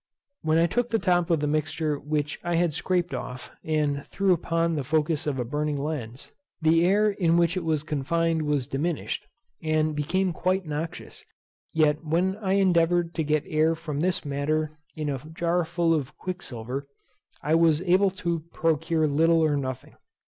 When I took the top of the mixture which I had scraped off and threw upon it the focus of a burning glass, the air in which it was confined was diminished, and became quite noxious; yet when I endeavoured to get air from this matter in a jar full of quicksilver, I was able to procure little or nothing.